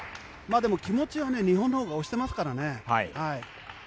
でも、気持ちは日本のほうが押してますからね。